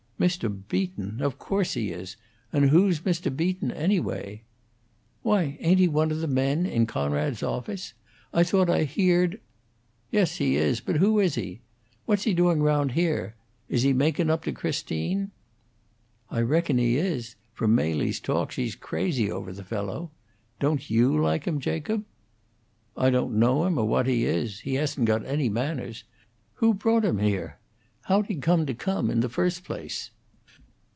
"Mr. Beaton! Of course he is! And who's Mr. Beaton, anyway?" "Why, ain't he one of the men in Coonrod's office? I thought I heared " "Yes, he is! But who is he? What's he doing round here? Is he makin' up to Christine?" "I reckon he is. From Mely's talk, she's about crazy over the fellow. Don't you like him, Jacob?" "I don't know him, or what he is. He hasn't got any manners. Who brought him here? How'd he come to come, in the first place?"